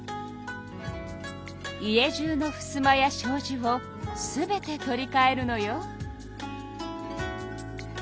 家じゅうのふすまやしょうじを全て取りかえるのよ。